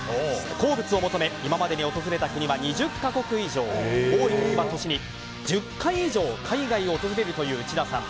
鉱物を求め今までに訪れた国は２０か国以上多いときは年に１０回以上海外を訪れるという内田さん。